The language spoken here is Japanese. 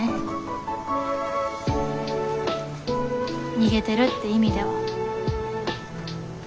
逃げてるって意味では。